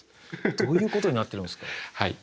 どういうことになってるんですか。